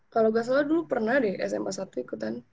kalau nggak salah dulu pernah deh sma satu ikutan